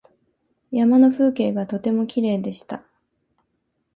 山の風景がとてもきれいでした。